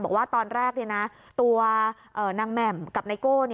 บอกว่าตอนแรกตัวนางแหม่มกับไนโก้